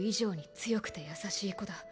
強くて優しい子だ